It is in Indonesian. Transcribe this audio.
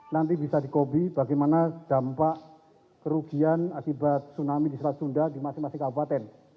nanti bisa dikobi bagaimana dampak kerugian akibat tsunami di selat sunda di masing masing kabupaten